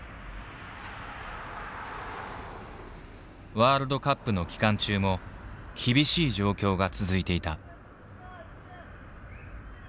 ワールドカップの期間中も厳しい状況が続いていた。